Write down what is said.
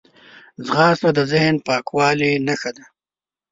ځغاسته د ذهن پاکوالي نښه ده